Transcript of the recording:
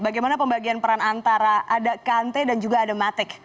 bagaimana pembagian peran antara ada kante dan juga ada matic